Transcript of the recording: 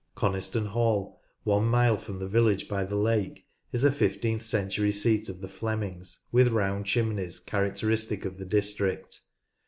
Coniston Hall, one mile from the village by the lake, is a fifteenth century seat of the Flemings, with round chimneys characteristic of the district.